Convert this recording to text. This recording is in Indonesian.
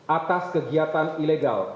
atas kegiatan ilegal